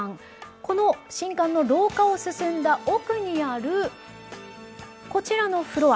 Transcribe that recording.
この新館の廊下を進んだ奥にあるこちらのフロア。